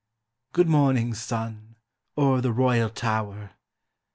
Good morning, sun, o'er the royal tower!